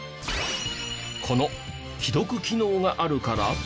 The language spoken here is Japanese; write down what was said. この既読機能があるから！？